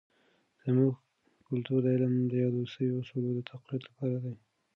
زموږ کلتور د علم د یادو سوي اصولو د تقویت لپاره دی.